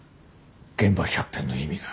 現場百遍の意味が。